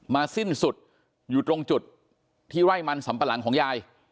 สิ้นสุดอยู่ตรงจุดที่ไร่มันสำปะหลังของยาย